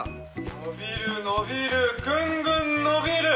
伸びる伸びるグングン伸びる！